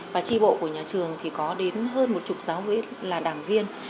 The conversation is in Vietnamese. và tri bộ của nhà trường thì có đến hơn một chục giáo viên là đảng viên